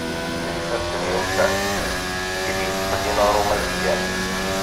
D ifassen yumsen i d-yettḥellin aɣrum azedgan.